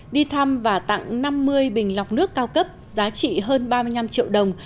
đi thăm và tặng năm mươi bình lọc nước cao cấp giá trị hơn ba mươi năm triệu đồng